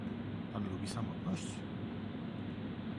"Pan lubi samotność?"